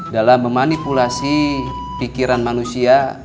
dalam memanipulasi pikiran manusia